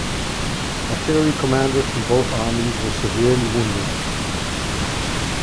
Artillery commanders from both armies were severely wounded.